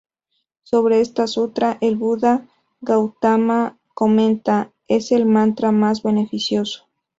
Sobre este sutra, el Buda Gautama comenta, "Es el mantra más beneficioso.